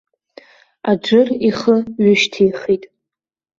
Аџыр ихы ҩышьҭихит.